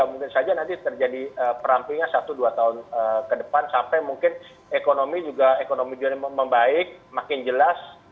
mungkin saja nanti terjadi perampingan satu dua tahun ke depan sampai mungkin ekonomi juga ekonomi juga membaik makin jelas